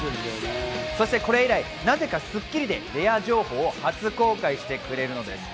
そしてこれ以来、なぜか『スッキリ』でレア情報を初公開してくれるのです。